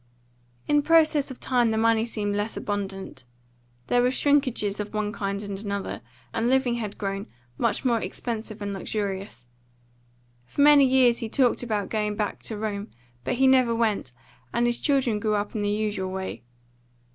In process of time the money seemed less abundant. There were shrinkages of one kind and another, and living had grown much more expensive and luxurious. For many years he talked about going back to Rome, but he never went, and his children grew up in the usual way.